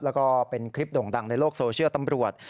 แล้วก็เป็นคลิปโด่งดังในโลกโซเชียลตำรวจ